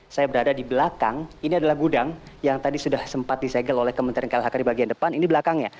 saya berada di belakang ini adalah gudang yang tadi sudah sempat disegel oleh kementerian klhk di bagian depan ini belakangnya